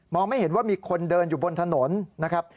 ไม่เห็นว่ามีคนเดินอยู่บนถนนนะครับ